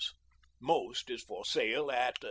Most is for sale at $2.